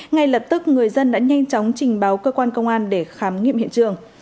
ngay lập tức người dân đã nhanh chóng trình báo cơ quan công an để khám nghiệm hiện trường